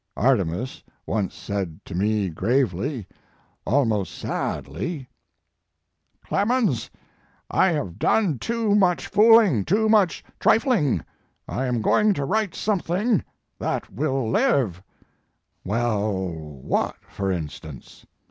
Arternus once said to me gravely, almost sadly :" Clemens, I have done too much fooling, too much trifling; I am going to write something that will live/ " Well, what for instance?